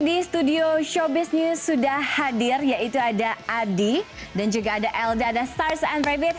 di studio showbiz news sudah hadir yaitu ada adi dan juga ada elda ada stars and rabbit